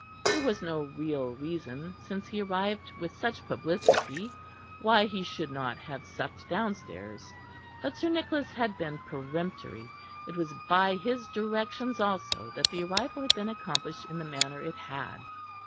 There was no real reason, since he arrived with such publicity, why he should not have supped downstairs, but Sir Nicholas had been peremptory. It was by his directions also that the arrival had been accomplished in the manner it had.